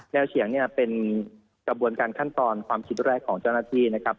เฉียงเนี่ยเป็นกระบวนการขั้นตอนความคิดแรกของเจ้าหน้าที่นะครับ